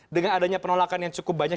dengan adanya penolakan yang cukup banyak